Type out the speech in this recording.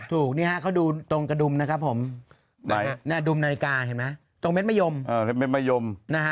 ถูกเนี่ยินะเขาดูตรงกระดุมนะครับผมดุ่มนาฬิกาเห็นหรือเปล่าตรงเม็ดมายม